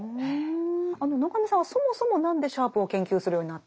中見さんはそもそも何でシャープを研究するようになったんですか？